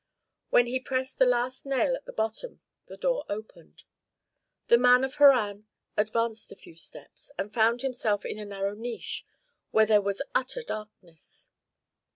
When he had pressed the last nail at the bottom, the door opened. The man of Harran advanced a few steps, and found himself in a narrow niche where there was utter darkness.